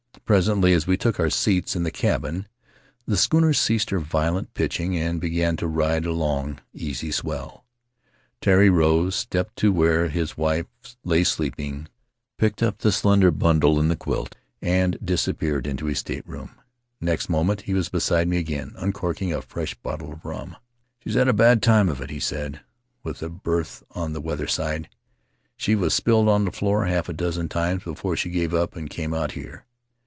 Presently, as we took our seats in the cabin, the schooner ceased her violent pitching and began to ride a long, easy swell. Tari rose, stepped to where his wife lap sleeping, picked up the slender bundle in the quilt, and disappeared into his stateroom; next moment he was beside me again, uncorking a fresh bottle of rum. "She's had a bad time of it," he said, "with a berth on the weather side; she was spilled on the floor half a dozen times before she gave up and came out here.